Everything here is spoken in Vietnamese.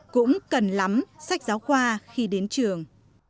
cũng cần lắm sách giáo khoa khi đến trường